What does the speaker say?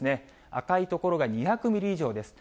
赤い所が２００ミリ以上です。